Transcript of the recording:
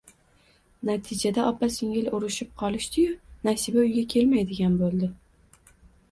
Natijada opa-singil urishib qolishdi-yu, Nasiba uyga kelmaydigan bo`ldi